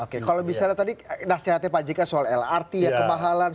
kalau misalnya tadi nasihatnya pak jk soal lrt ya kemahalan